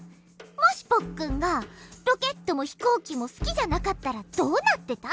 もしポッくんがロケットもひこうきもすきじゃなかったらどうなってた？